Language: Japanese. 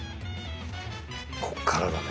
こっからだね。